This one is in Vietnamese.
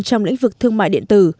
trong lĩnh vực thương mại điện tử